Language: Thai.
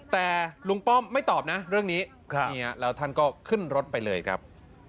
แต่ลุงป้อมไม่ตอบนะเรื่องนี้แล้วท่านก็ขึ้นรถไปเลยครับ